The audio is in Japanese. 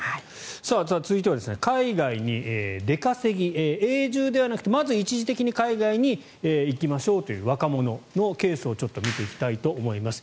続いては海外に出稼ぎ永住ではなくてまず一時的に海外に行きましょうという若者のケースをちょっと見ていきたいと思います。